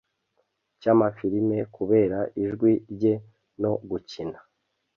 cy’amafilime kubera ijwi rye no gukina